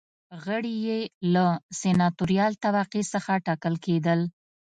غړي یې له سناتوریال طبقې څخه ټاکل کېدل.